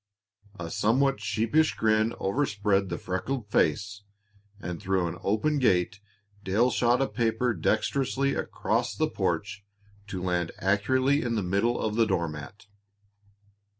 A somewhat sheepish grin overspread the freckled face, and through an open gate Dale shot a paper dexterously across the porch to land accurately in the middle of the door mat.